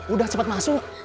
udah cepat masuk